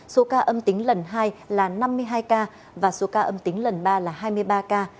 số ca âm tính lần hai là năm mươi hai ca và số ca âm tính lần ba là hai mươi ba ca